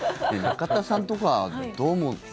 中田さんとかはどう思う？